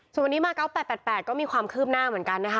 ส่วนวันนี้มาเกาะแปดแปดแปดก็มีความคืบหน้าเหมือนกันนะคะ